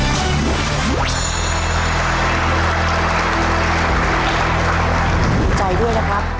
ดีใจด้วยนะครับ